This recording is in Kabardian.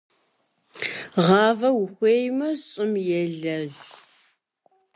Гъавэ ухуеймэ, щӀым елэжь.